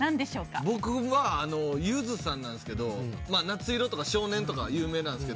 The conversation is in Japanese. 僕はゆずさんなんですけど『夏色』とか『少年』とか有名なんすけどゆずさん。